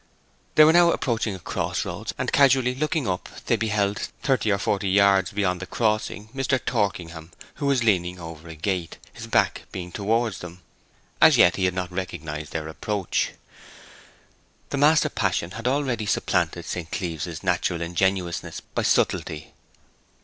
They were now approaching cross roads, and casually looking up they beheld, thirty or forty yards beyond the crossing, Mr. Torkingham, who was leaning over a gate, his back being towards them. As yet he had not recognized their approach. The master passion had already supplanted St. Cleeve's natural ingenuousness by subtlety.